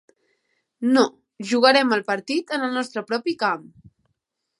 No, jugarem el partit en el nostre propi camp.